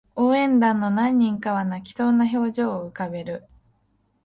応援団の何人かは泣きそうな表情を浮かべる